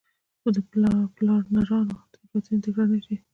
د پلانرانو تېروتنې تکرار نه شي.